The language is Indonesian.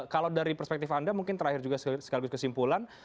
kalau dari perspektif anda mungkin terakhir juga sekaligus kesimpulan